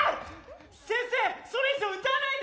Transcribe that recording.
先生それ以上歌わないで！